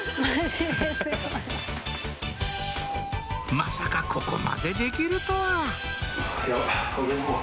「まさかここまでできるとは」